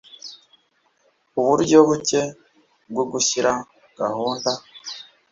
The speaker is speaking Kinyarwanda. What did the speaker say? Uburyo buke bwo gushyira gahunda